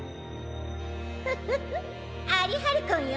フフフアリハルコンよ。